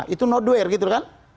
itu noteware gitu kan